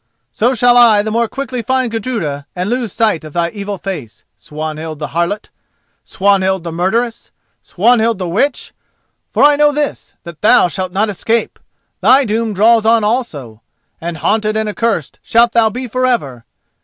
"So shall I the more quickly find Gudruda and lose sight of thy evil face, Swanhild the harlot! Swanhild the murderess! Swanhild the witch! For I know this: thou shalt not escape!—thy doom draws on also!—and haunted and accursed shalt thou be for ever!